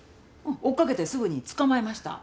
追っ掛けてすぐに捕まえました。